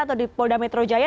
atau di polda metro jaya